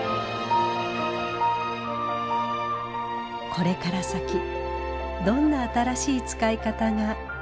これから先どんな新しい使い方が生まれるのでしょうか。